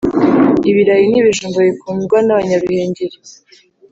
Ibirayi n’ibijumba bikundwa nabanyaruhengeri